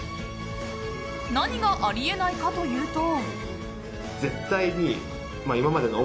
何があり得ないかというと。